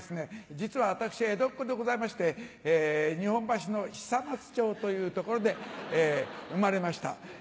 実は私江戸っ子でございまして日本橋の久松町という所で生まれました。